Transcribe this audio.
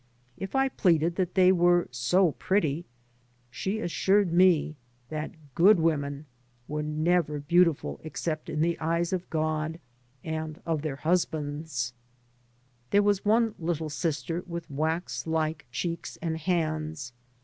If I pleaded that they " were so pretty," she assured me that " good women were never beautiful except in the eyes of God "— and of their husbands I There was one little sister with wax like cheeks and hands.